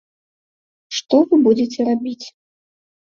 Што вы будзеце рабіць?